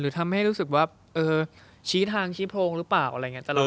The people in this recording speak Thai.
ทำให้รู้สึกว่าเออชี้ทางชี้โพรงหรือเปล่าอะไรอย่างนี้ตลอด